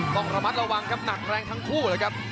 ต้องระมัดระวังครับหนักแรงทั้งคู่เลยครับ